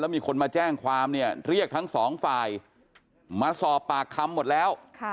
มีคนมาแจ้งความเนี่ยเรียกทั้งสองฝ่ายมาสอบปากคำหมดแล้ว